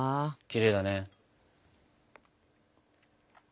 きれいだね。